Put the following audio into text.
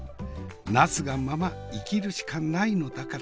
ナスがまま生きるしかないのだから。